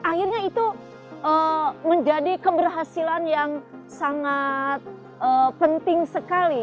akhirnya itu menjadi keberhasilan yang sangat penting sekali